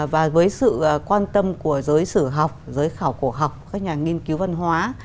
và với sự quan tâm của giới sử học giới khảo cổ học các nhà nghiên cứu văn hóa